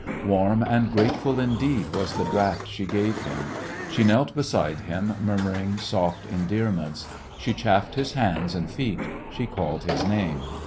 Warm and grateful indeed was the draught she gave him. She knelt beside him, murmuring soft endear ments. She chafed his hands and feet. She called his name.